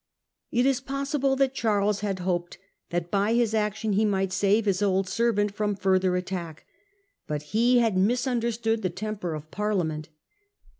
It is possible that Charles had hoped that by his action he might save his old servant from further attack. But he had misunderstood the temper of Parliament.